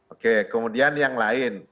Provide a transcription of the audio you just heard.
oke kemudian yang lain